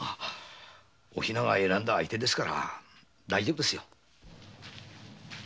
お比奈が選んだ相手ですから大丈夫ですよ。